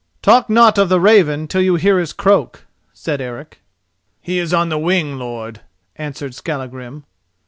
"Talk not of the raven till you hear his croak," said Eric. "He is on the wing, lord," answered Skallagrim.